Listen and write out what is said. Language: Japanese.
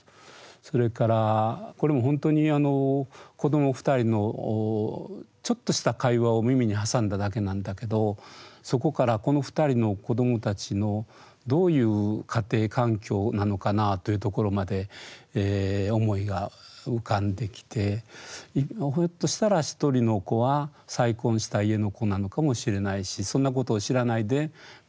それからこれも本当にあの子ども２人のちょっとした会話を耳に挟んだだけなんだけどそこからこの２人の子どもたちのどういう家庭環境なのかなというところまで思いが浮かんできてひょっとしたら一人の子は再婚した家の子なのかもしれないしそんなことを知らないで別の子が「再婚って何？」って聞いて